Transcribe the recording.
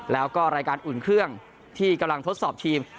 แล้วก็รายการอุ่นเครื่องที่กำลังทดสอบทีม